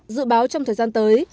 dự báo trong thời gian tới